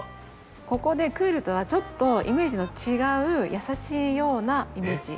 ここでクールとはちょっとイメージの違う優しいようなイメージの。